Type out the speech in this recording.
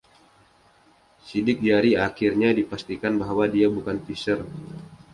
Sidik jari akhirnya dipastikan bahwa dia bukan Fisher.